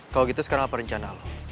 kalau gitu sekarang apa rencana loh